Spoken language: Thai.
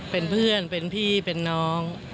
เป็นเพื่อนเป็นพี่เป็นน้อง